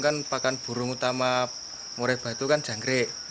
kan pakan burung utama murai batu kan jangkrik